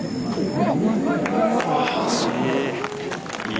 惜しい。